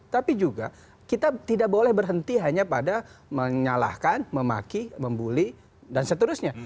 tapi juga kita tidak boleh berhenti hanya pada menyalahkan memaki membuli dan seterusnya